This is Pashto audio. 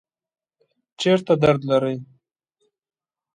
چیرته درد لرئ؟